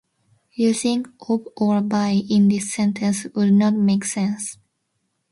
Using "of" or "by" in this sentence would not make sense.